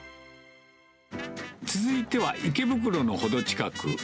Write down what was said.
続いては池袋の程近く。